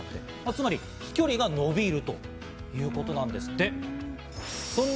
つまり飛距離が伸びるということなんですって。